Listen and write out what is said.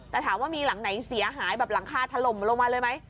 แต่ถามว่ามีหลังไหนเสียหายแบบหลังคาถล่มลงมาเลยไหม